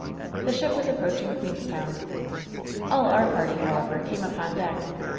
The ship was aprpoaching Queenstown. All our party, however, came upon deck.